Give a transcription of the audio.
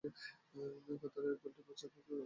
কাতারের দলটি বাছাই পর্বে প্রথম স্থান অর্জন করেছিল।